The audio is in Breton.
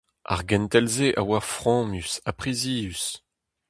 Ar gentel-se a oa fromus ha prizius.